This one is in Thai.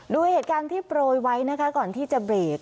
ดูเหตุการณ์ที่โปรยไว้นะคะก่อนที่จะเบรก